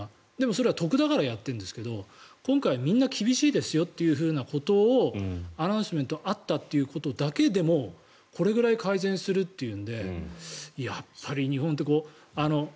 それは得だからやってるんですけど今回みんな厳しいですよってことをアナウンスメントがあったってことだけでもこれぐらい改善するというのでやっぱり日本って、こう。